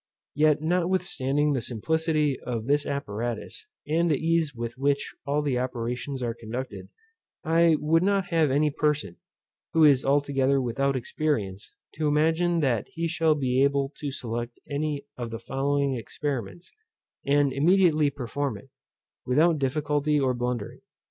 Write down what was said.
Yet notwithstanding the simplicity of this apparatus, and the ease with which all the operations are conducted, I would not have any person, who is altogether without experience, to imagine that he shall be able to select any of the following experiments, and immediately perform it, without difficulty or blundering.